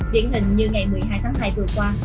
điển hình như ngày một mươi hai tháng hai vừa qua